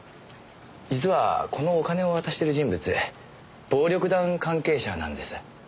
実はこのお金を渡してる人物暴力団関係者なんです。